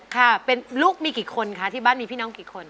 ค่ะเป็นลูกมีกี่คนคะที่บ้านมีพี่น้องกี่คน